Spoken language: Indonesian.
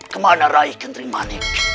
kemana raya kentering manik